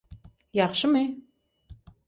Ýagşymy